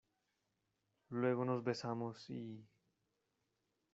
luego nos besamos y...